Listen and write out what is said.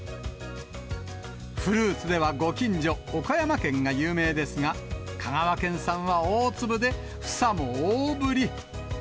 フルーツではご近所、岡山県が有名ですが、香川県産は大粒で房も大ぶり。